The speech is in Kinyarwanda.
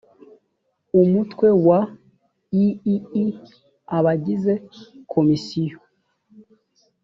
umutwe wa iii abagize komisiyo